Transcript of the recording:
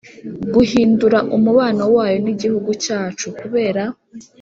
guhindura umubano wayo n'igihugu cyacu, kubera